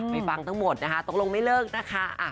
ฟังทั้งหมดนะคะตกลงไม่เลิกนะคะ